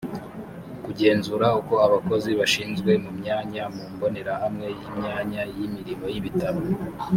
kugenzura uko abakozi bashyizwe mu myanya mu mbonerahamwe y imyanya y imirimo y ibitaro